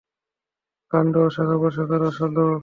কাণ্ড ও শাখা প্রশাখা রসালো।